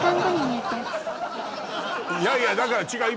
いやいやだから違う